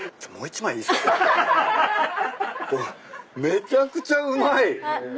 めちゃくちゃうまい。